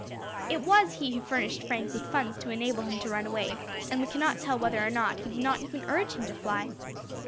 "It was he who furnished Frank with funds to enable him to run away, and we cannot tell whether or not he did not even urge him to fly.